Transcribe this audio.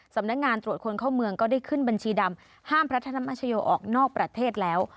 สำนักงานตรวจคนเข้าเมืองก็ได้ขึ้นบัญชีดำห้ามพระธรรมชโยออกนอกประเทศแล้ว